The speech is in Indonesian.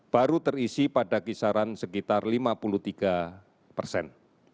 baru terisi pada kisaran sekitar lima puluh tiga persen